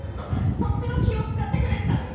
そっちの気を使ってくれてたんですか。